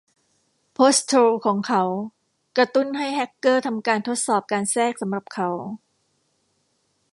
โพสต์โทรลล์ของเขากระตุ้นให้แฮกเกอร์ทำการทดสอบการแทรกสำหรับเขา